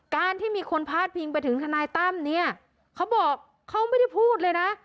การที่มีคนพาดพิงไปถึงทนายตั้มเนี่ยเขาบอกเขาไม่ได้พูดเลยนะ